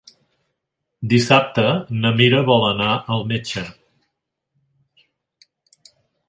Dissabte na Mira vol anar al metge.